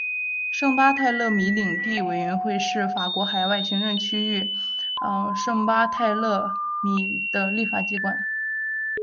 圣巴泰勒米领地委员会是法国海外行政区域圣巴泰勒米的立法机关。